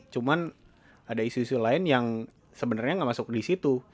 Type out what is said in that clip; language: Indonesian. cuman ada isu isu lain yang sebenarnya nggak masuk di situ